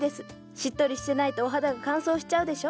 しっとりしてないとお肌が乾燥しちゃうでしょ？